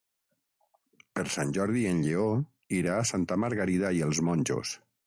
Per Sant Jordi en Lleó irà a Santa Margarida i els Monjos.